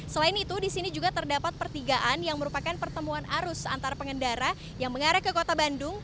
selain itu di sini juga terdapat pertigaan yang merupakan pertemuan arus antara pengendara yang mengarah ke kota bandung